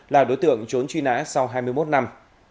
là đối tượng trốn truy nã sau hai mươi một năm